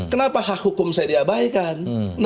kenapa hak hukum saya diabaikan